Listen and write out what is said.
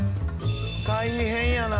大変やな。